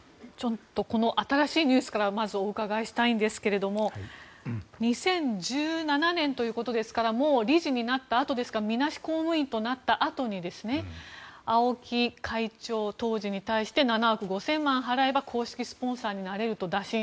この新しいニュースからまずお伺いしたいんですが２０１７年ということですからもう理事になったあとみなし公務員となったあとに青木会長、当時に対して７億５０００万円払えば公式スポンサーになれると打診。